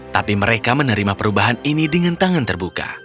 tapi mereka menerima perubahan ini dengan tangan terbuka